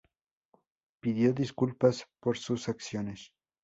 Pidió disculpas por sus acciones.